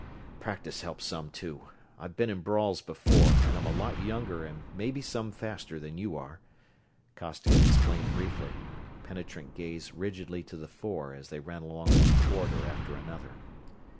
"Practice helps some, too! I've been in brawls before, and I'm a lot younger and maybe some faster than you are," Costigan explained briefly, penetrant gaze rigidly to the fore as they ran along one corridor after another.